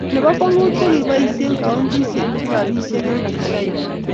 nebo bokwong'ut ko, kiboisie kauntisiek chu robisiek eng' kasarta